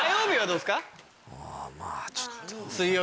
あまぁちょっと。